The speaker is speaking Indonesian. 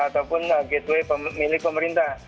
ataupun gateway milik pemerintah